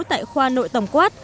tại khoa nội tổng quát